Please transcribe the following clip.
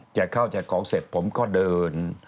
ข้าวแจกของเสร็จผมก็เดิน